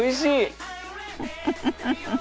フフフフ。